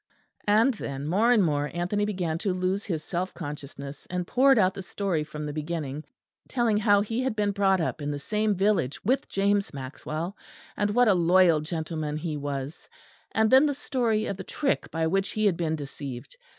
And then, more and more, Anthony began to lose his self consciousness, and poured out the story from the beginning; telling how he had been brought up in the same village with James Maxwell; and what a loyal gentleman he was; and then the story of the trick by which he had been deceived.